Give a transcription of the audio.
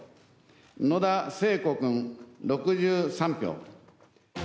野田聖子君、６３票。